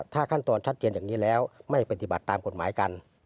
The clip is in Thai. ถ้าขั้นตอนชัดเจนอย่างนี้แล้วไม่ปฏิบัติตามกฎหมายกัน